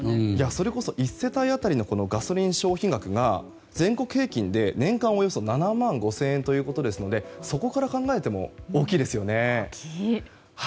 それこそ１世帯当たりのガソリンの消費額が年間で１万５２０１円ということですのでそこから考えても大きいですよね。